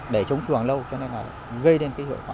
để chống chùa hàng lâu cho nên là gây đến cái hiệu quả